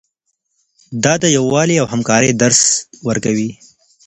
دا د یووالي او همکارۍ درس ورکوي.